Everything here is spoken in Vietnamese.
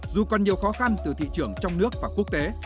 dù còn nhiều khó khăn từ thị trường trong nước và quốc tế